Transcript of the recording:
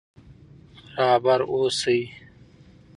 رهبر اوسئ.